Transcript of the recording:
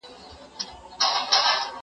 دا مرسته له هغه مهمه ده،